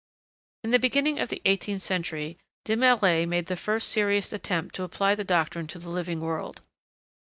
In the beginning of the eighteenth century, De Maillet made the first serious attempt to apply the doctrine to the living world.